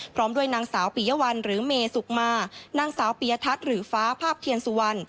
พร้อมด้วยนางสาวปียวัลหรือเมสุกมานางสาวปียทัศน์หรือฟ้าภาพเทียนสุวรรณ